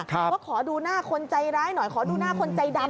ว่าขอดูหน้าคนใจร้ายหน่อยขอดูหน้าคนใจดำ